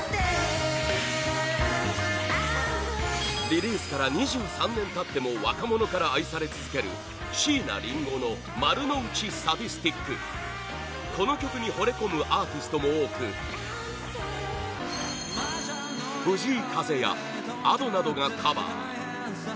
リリースから２３年経っても若者から愛され続ける椎名林檎の「丸ノ内サディスティック」この曲にほれ込むアーティストも多く藤井風やＡｄｏなどがカバー